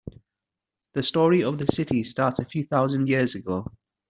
The story of the city starts a few thousand years ago.